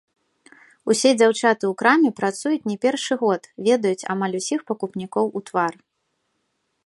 Усе дзяўчаты ў краме працуюць не першы год, ведаюць амаль усіх пакупнікоў у твар.